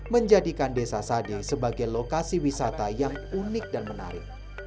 menjadikan desa sade sebagai lokasi wisata yang unik dan menarik